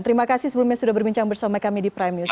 terima kasih sebelumnya sudah berbincang bersama kami di prime news